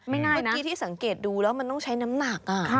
เมื่อกี้ที่สังเกตดูแล้วมันต้องใช้น้ำหนัก